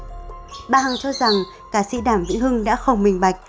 bà phương hằng cho rằng ca sĩ đảm vĩnh hưng đã không minh bạch